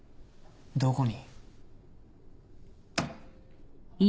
どこに？